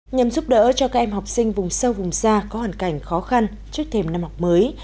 nhằm giúp đỡ cho các em học sinh vùng sâu vùng xa có hoàn cảnh khó khăn trước thêm năm học mới